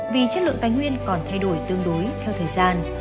vì chất lượng tài nguyên còn thay đổi tương đối theo thời gian